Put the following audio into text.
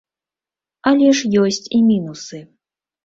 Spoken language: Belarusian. Але ж ёсць і мінусы.